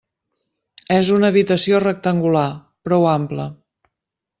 És una habitació rectangular, prou ampla.